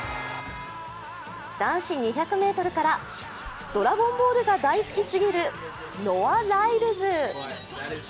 男子２００ｍから「ドラゴンボール」が大好きすぎるノア・ライルズ。